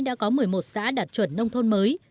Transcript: đã có một mươi một xã đạt chuẩn nông thôn mới